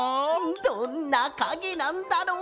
どんなかげなんだろう？